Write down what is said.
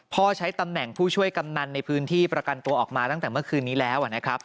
ใช้ตำแหน่งผู้ช่วยกำนันในพื้นที่ประกันตัวออกมาตั้งแต่เมื่อคืนนี้แล้วนะครับ